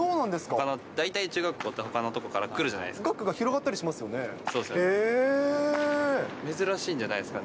大体中学校ってほかのところから来るじゃないですか。